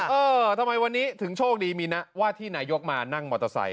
เออทำไมวันนี้ถึงโชคดีมีนะว่าที่นายกมานั่งมอเตอร์ไซค